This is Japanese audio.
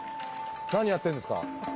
何やってんですか？